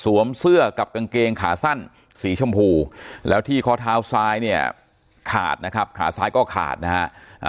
เสื้อกับกางเกงขาสั้นสีชมพูแล้วที่ข้อเท้าซ้ายเนี่ยขาดนะครับขาซ้ายก็ขาดนะฮะ